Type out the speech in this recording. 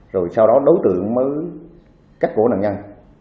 rồi sau đó đối tượng mới cắt cổ nạn nhân